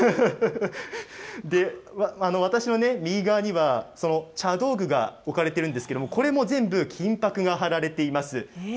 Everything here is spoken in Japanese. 私の右側には、その茶道具が置かれてるんですけれども、これも全部金ぱくが貼られています。